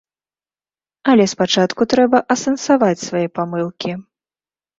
Але спачатку трэба асэнсаваць свае памылкі.